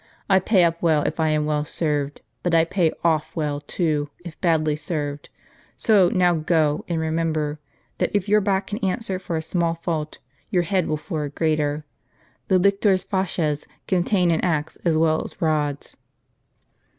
I pay up well if I am well served ; but I pay off well, too, if badly served. So now go ; and remember, that if your back can answer for a small fault, your head will for a greater. The lictors' fasces contain an axe as well as rods."